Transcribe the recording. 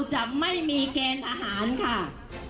หนักกว่านี้